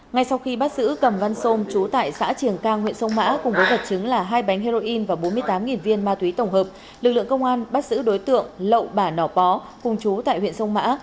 ngay sau khi bắt giữ cầm văn sôm chú tại xã triềng cang huyện sông mã cùng với vật chứng là hai bánh heroin và bốn mươi tám viên ma túy tổng hợp lực lượng công an bắt giữ đối tượng lậu bà nọ bó cùng chú tại huyện sông mã